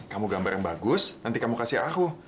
kamu gambar yang bagus nanti kamu kasih aku